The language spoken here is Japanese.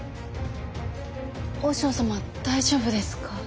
和尚様大丈夫ですか？